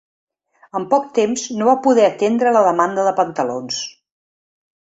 En poc temps, no va poder atendre la demanda de pantalons.